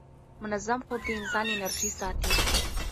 منظم خوب د انسان انرژي ساتي.